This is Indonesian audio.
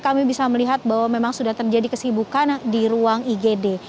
kami bisa melihat bahwa memang sudah terjadi kesibukan di ruang igd